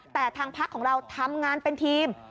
แต่ทางพักของเราทำงานเป็นทีม